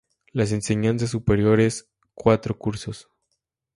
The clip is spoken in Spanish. Las Enseñanzas Superiores: Cuatro cursos.